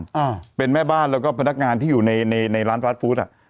อ่าเป็นแม่บ้านแล้วก็พนักงานที่อยู่ในในในร้านฟาร์ดฟู้ดอ่ะ